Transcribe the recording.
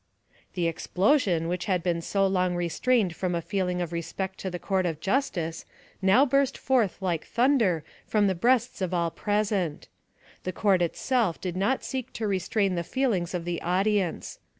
The explosion, which had been so long restrained from a feeling of respect to the court of justice, now burst forth like thunder from the breasts of all present; the court itself did not seek to restrain the feelings of the audience.